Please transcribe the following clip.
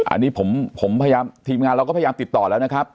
อันนี้ผมพยายามทีมงานเราก็พยายามติดต่อแล้วนะครับ